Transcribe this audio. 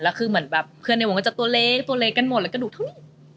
แล้วคือเหมือนแบบเพื่อนในวงก็จะตัวเล็กตัวเล็กกันหมดแล้วกระดูกเท่านี้